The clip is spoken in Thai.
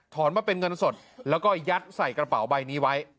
มาเป็นเงินสดแล้วก็ยัดใส่กระเป๋าใบนี้ไว้